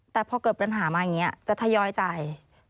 แต่พอเกิดปัญหามาอย่างนี้จะทยอยจ่าย